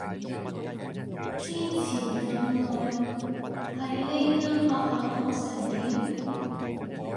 之前咁耐喺呢間學校過成點？